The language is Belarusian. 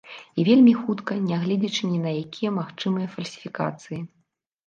І вельмі хутка, нягледзячы ні на якія магчымыя фальсіфікацыі.